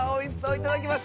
いただきます。